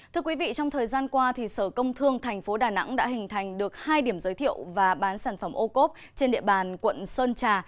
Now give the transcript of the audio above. thưa quý vị trong thời gian qua sở công thương tp đà nẵng đã hình thành được hai điểm giới thiệu và bán sản phẩm ô cốp trên địa bàn quận sơn trà